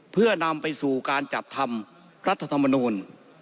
เพื่อนำไปสู่การจัดทำรัฐธรรมนูล